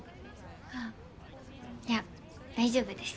ああいや大丈夫です。